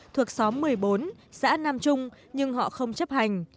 thuộc xóm một mươi bốn xã nam trung nhưng họ không chấp hành